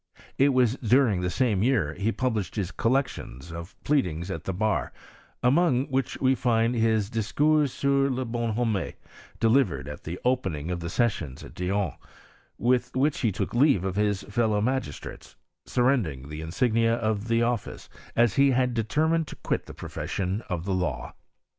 It was dunn^tlie name year that be published his coUection of pfead mpi at the bar, among which {we find his Discovs sur la Bonhomie, delivered at the opening of the seHftioriK at Dijon, with which he took leaTe of his fellow mai^istrates, surrendering the insignia of office, as he had determined to quit the psofession of the law.